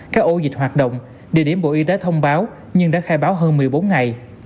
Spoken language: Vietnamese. các ổ dịch hoạt động địa điểm bộ y tế thông báo nhưng đã khai báo hơn một mươi bốn ngày